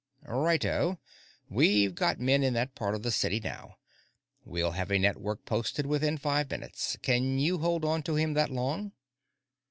"Righto. We've got men in that part of the city now. We'll have a network posted within five minutes. Can you hold onto him that long?"